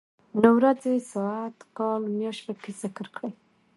نو ورځې ،ساعت، کال ،مياشت پکې ذکر کړي.